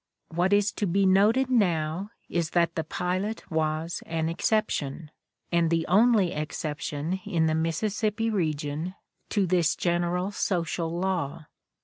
What is to be noted now is that the pilot was an exception, and the only exception in the Mississippi region, to this general social law.